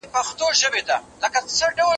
ښوونکي کولی سي چي د ټولني فکر بدل کړي.